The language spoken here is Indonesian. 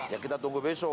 ya kita tunggu besok